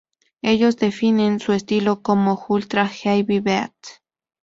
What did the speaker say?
Ellos definen su estilo como ""Ultra Heavy Beat"".